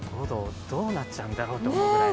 どうなっちゃうんだろうと思うぐらいの。